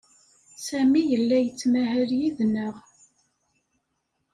Sami yella yettmahal yid-neɣ.